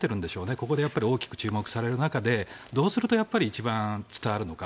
ここで大きく注目される中でどうすると一番、伝わるのか